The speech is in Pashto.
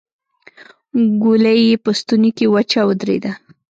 ګولۍ يې په ستونې کې وچه ودرېده.